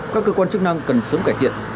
các cơ quan chức năng cần sớm cải thiện